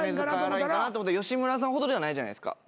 吉村さんほどではないじゃないですか。